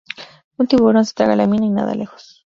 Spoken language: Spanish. Un tiburón se traga la mina y nada lejos.